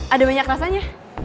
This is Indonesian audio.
ada banyak rasanya